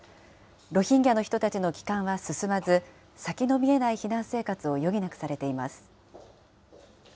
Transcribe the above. ロヒンギャの人たちの帰還は進まず、先の見えない避難生活を余儀なくされています。